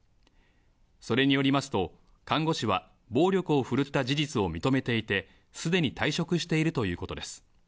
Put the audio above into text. それによりますと、看護師は、暴力を振るった事実を認めていて、すでに退職しているということです。